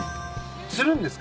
釣るんですか？